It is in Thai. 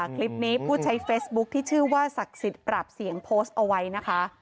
คลิปนี้ผู้ใช้เฟซบุ๊คที่ชื่อว่าศักดิ์สิทธิ์ปรับเสียงโพสต์เอาไว้นะคะ